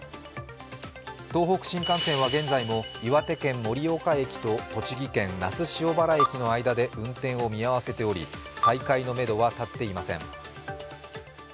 東北新幹線は現在も岩手県盛岡駅と栃木県那須塩原駅の間で運転を見合わせており、再開のめどは立っていません。